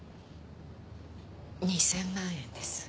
２，０００万円です。